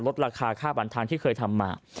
ลดราคาค่าบันทางที่เคยทำมา